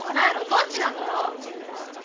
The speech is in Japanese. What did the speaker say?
どっちなのよ！？